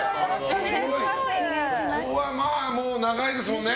ここはもう長いですもんね。